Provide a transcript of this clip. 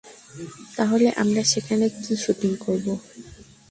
তাহলে আমরা সেখানে কি শুটিং করবো?